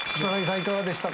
いかがでしたか？